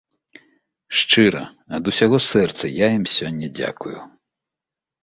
Шчыра, ад усяго сэрца я ім сёння дзякую.